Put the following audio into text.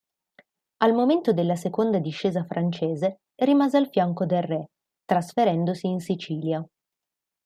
Al momento della seconda discesa francese, rimase al fianco del re, trasferendosi in Sicilia.